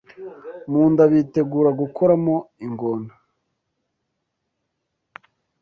mu nda bitegura gukoramo ingoma